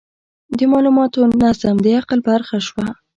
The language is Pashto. د مالوماتو نظم د عقل برخه شوه.